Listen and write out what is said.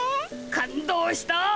感動した。